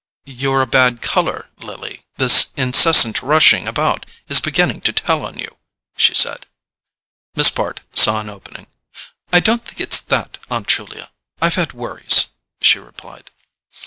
"You're a bad colour, Lily: this incessant rushing about is beginning to tell on you," she said. Miss Bart saw an opening. "I don't think it's that, Aunt Julia; I've had worries," she replied.